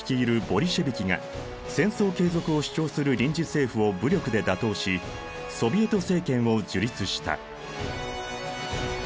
ボリシェヴィキが戦争継続を主張する臨時政府を武力で打倒しソヴィエト政権を樹立した。